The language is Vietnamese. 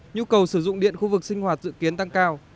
nhu cầu sử dụng điện khu vực sinh hoạt dự kiến tăng cao